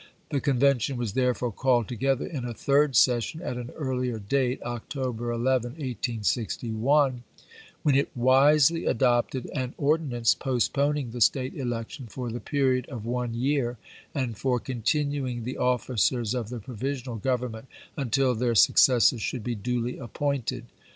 The Con vention was therefore called together in a third session at an earlier date (October 11, 1861), when it wisely adopted an ordinance postponing the State election for the period of one year, and for continuing the officers of the provisional govern ment until their successors should be duly ap pointed.